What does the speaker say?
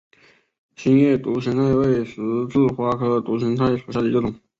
心叶独行菜为十字花科独行菜属下的一个种。